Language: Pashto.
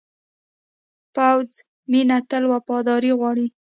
پوخ مینه تل وفاداري غواړي